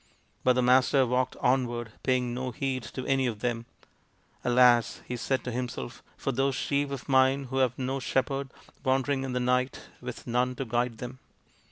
But the Master walked onward, paying no heed to any of them. " Alas !" he said to himself, " for those sheep of mine who have no shepherd, wandering in the night with none to guide them